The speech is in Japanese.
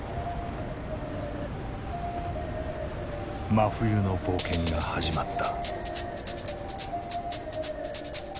真冬の冒険が始まった。